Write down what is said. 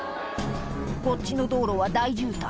こっちの道路は大渋滞